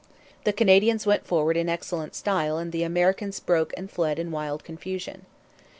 The Canadians went forward in excellent style and the Americans broke and fled in wild confusion.